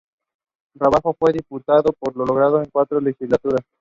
Riojano, fue diputado por Logroño en cuatro legislaturas.